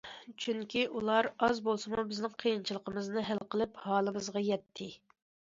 چۈنكى ئۇلار ئاز بولسىمۇ بىزنىڭ قىيىنچىلىقىمىزنى ھەل قىلىپ ھالىمىزغا يەتتى.